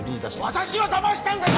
私をだましたんだな！